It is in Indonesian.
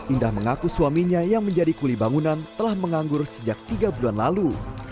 indah mengaku suaminya yang menjadi kuli bangunan telah menganggur sejak tiga bulan lalu